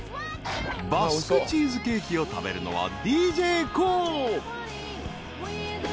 ［バスクチーズケーキを食べるのはＤＪＫＯＯ］